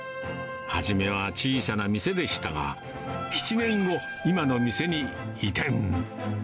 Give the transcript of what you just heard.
初めは小さな店でしたが、７年後、今の店に移転。